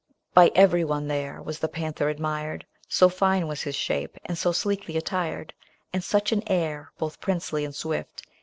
By every one there was the panther admired, So fine was his shape and so sleekly attired. And such an air, both princely and swift.